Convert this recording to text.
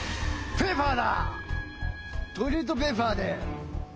ペーパー！